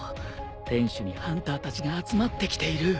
天守にハンターたちが集まってきている。